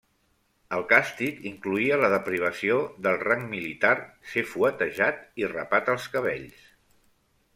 El càstig incloïa la deprivació del rang militar, ser fuetejat i rapat els cabells.